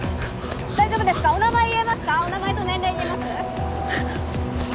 大丈夫ですかお名前言えますかお名前と年齢言えます？